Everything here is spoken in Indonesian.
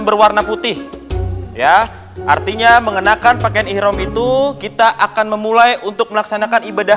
berwarna putih ya artinya mengenakan pakaian ihrom itu kita akan memulai untuk melaksanakan ibadah